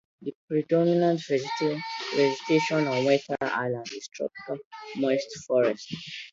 The predominant vegetation on wetter islands is tropical moist forest.